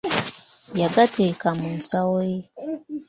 Yagateeka mu nsawo ye.